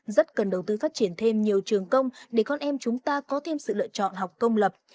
rất cần đầu tư phát triển thêm nhiều trường công để con em chúng ta có thêm sự lựa chọn học công lập